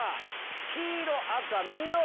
黄色赤緑。